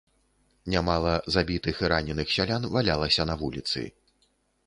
Нямала забітых і раненых сялян валялася на вуліцы.